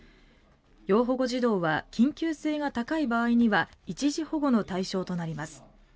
要保護児童は緊急性が高い場合には一時保護の対象となります。